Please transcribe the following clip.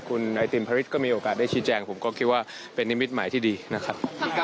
คุณไอติมพระฤทธิก็มีโอกาสได้ชี้แจงผมก็คิดว่าเป็นนิมิตหมายที่ดีนะครับ